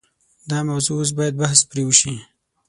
دا موضوع اوس باید بحث پرې وشي.